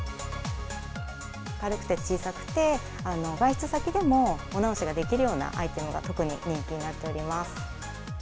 軽くて小さくて、外出先でもお直しができるようなアイテムが、特に人気になっております。